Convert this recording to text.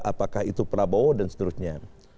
apakah itu prabowo dan seterusnya